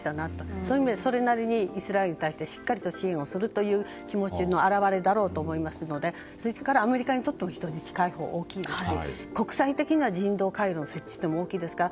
そういう意味でそれなりにイスラエルに対してしっかり支援する気持ちの表れだと思いますのでアメリカにとっても人質解放は大きいですし国際的には人道回廊の設置も大きいですから。